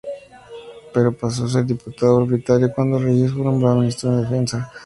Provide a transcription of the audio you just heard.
Pero pasó a ser diputado propietario cuando Reyes fue nombrado Ministro de Defensa.